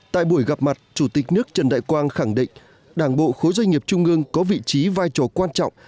tại buổi gặp mặt chủ tịch nước trần đại quang khẳng định đảng bộ khối doanh nghiệp trung ương có vị trí vai trò quan trọng